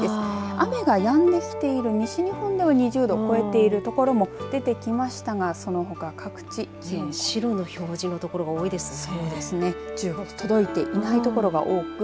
雨がやんできている西日本では２０度を超えている所も出てきましたがそのほか各地白の表示の所が多いですね。